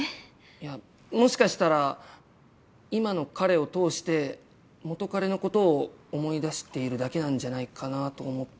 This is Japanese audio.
いやもしかしたら今の彼を通して元彼のことを思い出しているだけなんじゃないかなと思って。